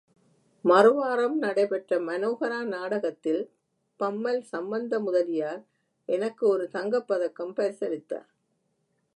மறுவாரம் நடை பெற்ற மனோஹரா நாடகத்தில் பம்மல் சம்பந்தமுதலியார் எனக்கு ஒரு தங்கப்பதக்கம் பரிசளித்தார்.